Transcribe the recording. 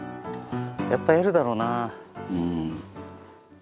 やっぱＬだろうな。